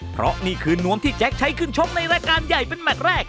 เพราะนี่คือนวมที่แจ๊คใช้ขึ้นชกในรายการใหญ่เป็นแมทแรก